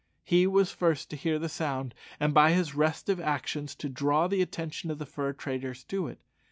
He was first to hear the sound, and by his restive actions to draw the attention of the fur traders to it.